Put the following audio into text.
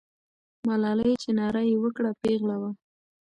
ملالۍ چې ناره یې وکړه، پیغله وه.